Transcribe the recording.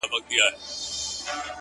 د شپې له تورې پنجابيه سره دال وهي!!